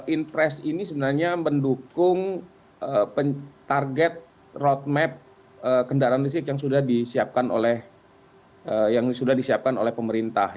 intres ini sebenarnya mendukung target roadmap kendaraan listrik yang sudah disiapkan oleh pemerintah